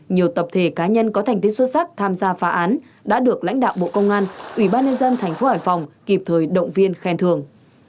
nhiều tập thể cá nhân có thành tích xuất sắc tham gia phá án đã được lãnh đạo bộ công an ủy ban nhân dân tp hải phòng kịp thời động viên khen thường